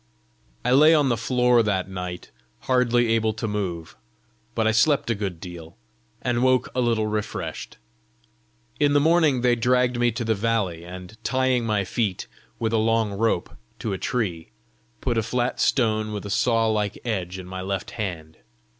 I lay on the floor that night hardly able to move, but I slept a good deal, and woke a little refreshed. In the morning they dragged me to the valley, and tying my feet, with a long rope, to a tree, put a flat stone with a saw like edge in my left hand.